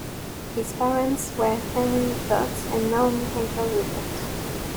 His parents were Henry Rupert and Naomi Henkle Rupert.